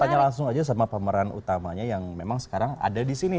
tanya langsung aja sama pemeran utamanya yang memang sekarang ada di sini